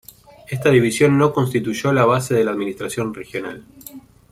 Esta división no constituyó la base de la administración regional.